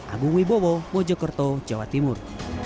agung wibowo mojokerto jawa timur